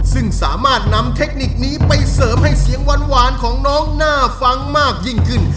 ซึ่งสามารถนำเทคนิคนี้ไปเสริมให้เสียงหวานของน้องน่าฟังมากยิ่งขึ้น